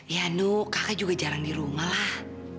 ya nu kakak juga jarang di rumah lah